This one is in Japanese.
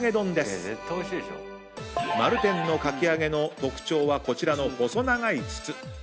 丸天のかき揚げの特徴はこちらの細長い筒。